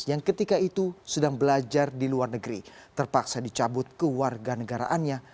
yang ketika itu sedang belajar di luar negeri terpaksa dicabut kewarga negaraannya